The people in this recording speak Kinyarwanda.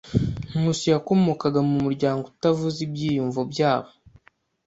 Nkusi yakomokaga mu muryango utavuze ibyiyumvo byabo.